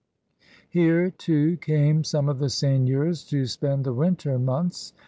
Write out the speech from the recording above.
Here, too, came some of the seigneurs to spend the winter months.